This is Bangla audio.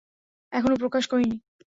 এখনও প্রকাশ করিনি।